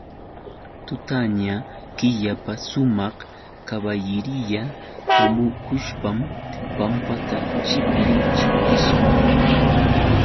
Tutaña killapa sumaq kaballiriya hamukushpam pampata chipli chiplishpa.